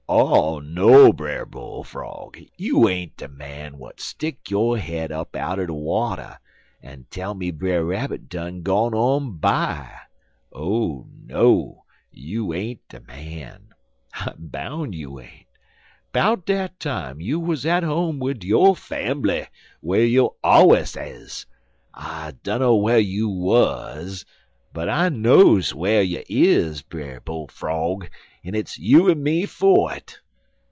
"'Oh, no, Brer Bull frog! You ain't de man w'at stick yo' head up out'n de water en tell me Brer Rabbit done gone on by. Oh, no! you ain't de man. I boun' you ain't. 'Bout dat time, you wuz at home with yo' fambly, whar you allers is. I dunner whar you wuz, but I knows whar you is, Brer Bull frog, en hit's you en me fer it.